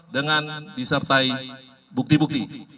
dengan disertai bukti bukti